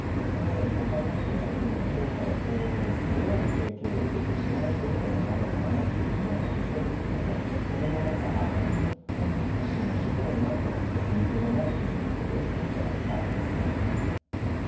そのようにほかの人たちの評価や行動に強い影響を受けてしまうというのも誰もが持っている脳のクセですのでこれもまた安易に信用しそうになってもちょっと踏みとどまるということをしていただきたいと思います。